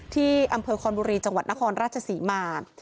ที่อำเภอคอนบุรีจังหวัดนครราชศรีมา